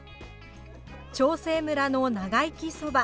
長生村のながいきそば。